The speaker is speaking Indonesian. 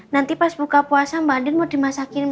nanti pas buka puasa mbak adin mau dimasakin